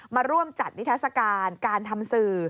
มาร่วมจัดนิทัศกาลการทำสื่อ